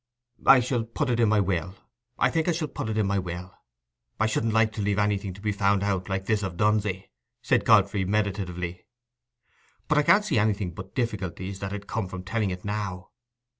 "I shall put it in my will—I think I shall put it in my will. I shouldn't like to leave anything to be found out, like this of Dunsey," said Godfrey, meditatively. "But I can't see anything but difficulties that 'ud come from telling it now.